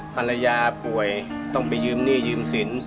ภรรยาป่วยต้องไปยืมหนี้ยืมสิน